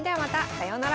さようなら。